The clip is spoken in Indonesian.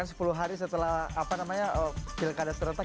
bener kan sepuluh hari setelah pilkada terletak